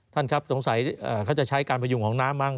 ท่านครับสงสัยเขาจะใช้การพยุงของน้ำมั้